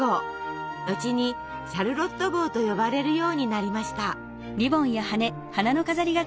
後に「シャルロット帽」と呼ばれるようになりました。